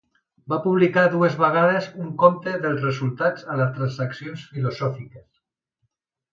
Va publicar dues vegades un compte dels resultats a les Transaccions filosòfiques.